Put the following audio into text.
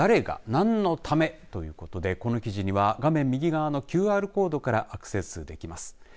なんのため？ということで、この記事には画面右側のＱＲコードからアクセスできます。